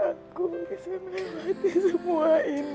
akan telah berre strength